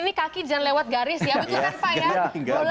ini kaki jangan lewat garis ya betul kan pak ya